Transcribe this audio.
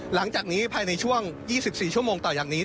หลังจากนี้ภายในช่วง๒๔ชั่วโมงต่อจากนี้